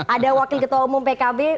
ada wakil ketua umum pkb